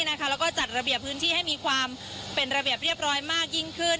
แล้วก็จัดระเบียบพื้นที่ให้มีความเป็นระเบียบเรียบร้อยมากยิ่งขึ้น